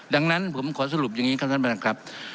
ดังนั้นผมขอสรุปอย่างนี้ครับท่านประธานครับ